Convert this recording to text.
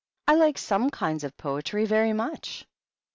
" I like some kinds of poetry very much."